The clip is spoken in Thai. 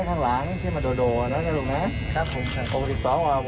ขอบคุณสิทธิ์สองผมนักศึกฝ่าย